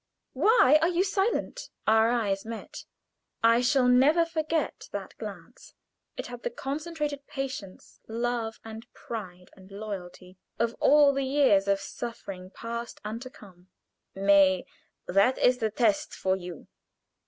Why are you silent?" Our eyes met. I shall never forget that glance. It had the concentrated patience, love, and pride, and loyalty, of all the years of suffering past and to come. "May, that is the test for you!